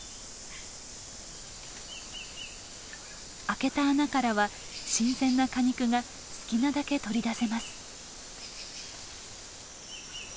開けた穴からは新鮮な果肉が好きなだけ取り出せます。